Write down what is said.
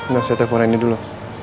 nah saya telepon ini dulu